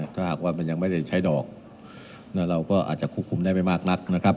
ถ้าหากว่ามันยังไม่ได้ใช้ดอกเราก็อาจจะควบคุมได้ไม่มากนักนะครับ